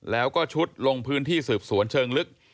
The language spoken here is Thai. แล้วก็ชุดลงพื้นที่สืบสวนเชิงลึก